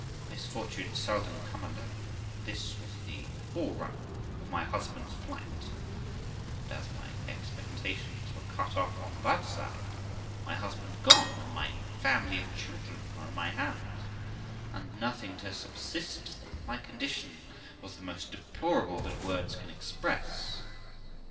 Misfortunes seldom come alone : this was the forerunner of my husband's flight; and as my expectations were cut off on that side, my husband gone, and my family of children on my hands, and nothing to subsist them, my condition was the most deplorable that words can express.